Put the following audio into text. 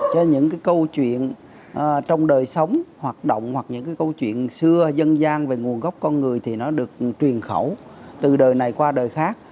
cho nên những cái câu chuyện trong đời sống hoạt động hoặc những cái câu chuyện xưa dân gian về nguồn gốc con người thì nó được truyền khẩu từ đời này qua đời khác